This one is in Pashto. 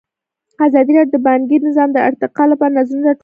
ازادي راډیو د بانکي نظام د ارتقا لپاره نظرونه راټول کړي.